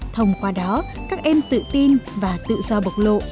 thông qua đó các em tự tin và tự do bộc lộ